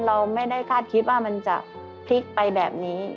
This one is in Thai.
เราไม่ได้คาดคิดว่ามันจะพลิกไปแบบนี้